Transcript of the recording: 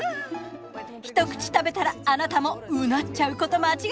一口食べたらあなたもうなっちゃうこと間違いなしよ！